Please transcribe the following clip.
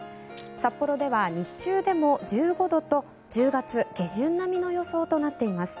札幌では日中でも１５度と１０月下旬並みの予想となっています。